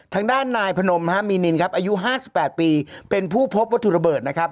ทางด้านนายพนมฮะมีนินครับอายุ๕๘ปีเป็นผู้พบวัตถุระเบิดนะครับ